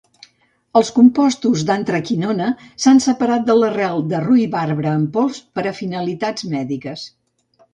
Els compostos d'antraquinona s'han separat de l'arrel de ruibarbre en pols per a finalitats mèdiques.